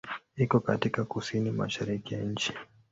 Iko katika kusini-mashariki ya nchi.